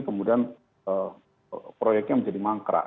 kemudian proyeknya menjadi mangkrak